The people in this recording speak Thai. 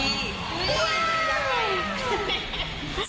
เฮ้ยฮื้าาาาา